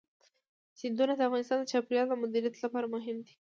سیندونه د افغانستان د چاپیریال د مدیریت لپاره مهم دي.